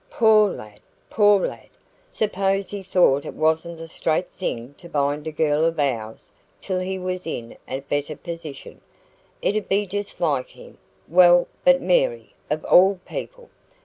Poor lad! poor lad! Suppose he thought it wasn't the straight thing to bind a girl of ours till he was in a better position it'd be just like him. Well but Mary, of all people!"